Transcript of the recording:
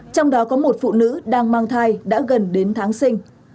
trong đó có một phụ nữ đang mang thai đã gần đến tháng sinh